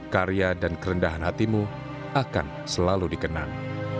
karya dan kerendahan hatimu akan selalu dikenang